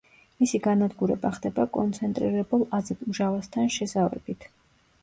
მისი განადგურება ხდება კონცენტრირებულ აზოტმჟავასთან შეზავებით.